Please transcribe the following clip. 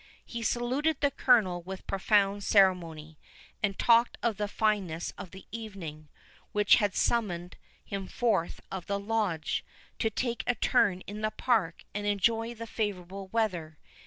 He saluted the Colonel with profound ceremony, and talked of the fineness of the evening, which had summoned him forth of the Lodge, to take a turn in the Park, and enjoy the favourable weather.